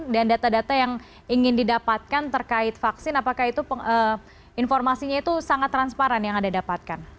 dan data data yang ingin didapatkan terkait vaksin apakah itu informasinya itu sangat transparan yang anda dapatkan